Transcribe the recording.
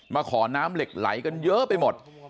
ขอน้ำเหล็กไหลกันเยอะไปหมด